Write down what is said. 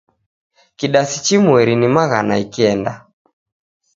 Kidasi chimweri ni maghana ikenda.